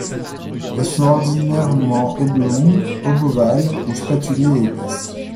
Elles sont ordinairement oblongues, obovales ou spatulées et épaisses.